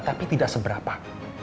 tapi tidak seberapa